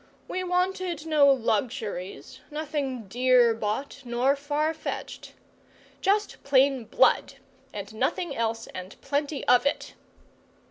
We wanted no luxuries, nothing dear bought nor far fetched. Just plain blood, and nothing else, and plenty of it.